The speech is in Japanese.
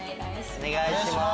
お願いします。